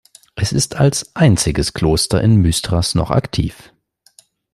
Es ist als einziges Kloster in Mystras noch aktiv.